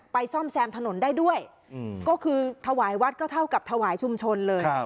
ซ่อมแซมถนนได้ด้วยก็คือถวายวัดก็เท่ากับถวายชุมชนเลย